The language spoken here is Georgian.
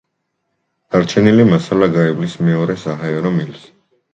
დარჩენილი მასა გაივლის მეორე საჰაერო მილს.